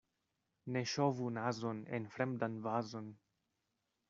Ne ŝovu nazon en fremdan vazon.